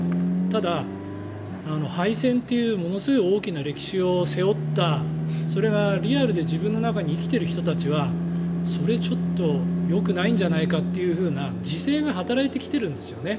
ただ、敗戦というものすごい大きな歴史を背負ったそれがリアルで自分の中に生きている人たちはそれちょっとよくないんじゃないかっていうふうな自制が働いてきてるんですね。